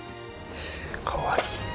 かわいい。